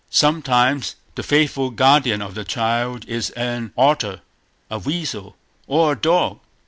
Sometimes the faithful guardian of the child is an otter, a weasel, or a dog.